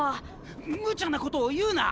むちゃなことを言うな！